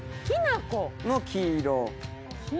きな粉！の黄色。